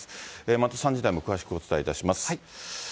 また３時台も詳しくお伝えいたします。